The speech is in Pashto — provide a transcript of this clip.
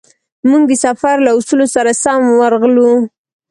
موږ د سفر له اصولو سره سم ورغلو.